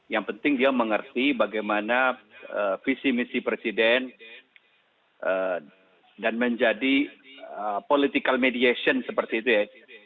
yang penting dia mengerti bagaimana visi misi presiden dan menjadi political mediation seperti itu ya